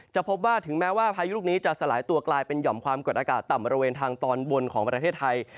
พบว่าถึงแม้ว่าพายุลูกนี้จะสลายตัวกลายเป็นห่อมความกดอากาศต่ำบริเวณทางตอนบนของประเทศไทย